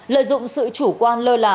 lợi dụng sự chủ quan lơ là